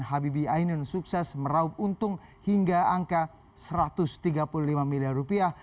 habibi ainun sukses meraup untung hingga angka satu ratus tiga puluh lima miliar rupiah